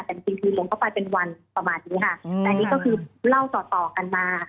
แต่จริงคือลงเข้าไปเป็นวันประมาณนี้ค่ะแต่อันนี้ก็คือเล่าต่อต่อกันมา